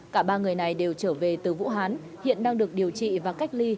cả ba người này đều trở về từ vũ hán hiện đang được điều trị và cách ly